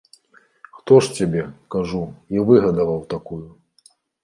Хто ж цябе, кажу, і выгадаваў такую?